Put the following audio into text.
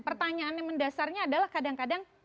pertanyaannya mendasarnya adalah kadang kadang